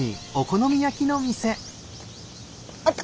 あった！